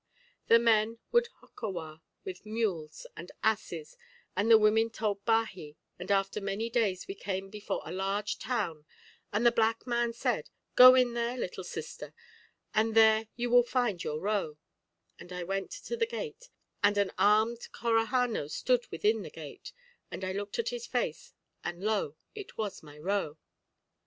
The men would hokkawar with mules and asses, and the women told baji, and after many days we came before a large town, and the black man said, 'Go in there, little sister, and there you will find your ro;' and I went to the gate, and an armed Corahanó stood within the gate, and I looked in his face, and lo! it was my ro.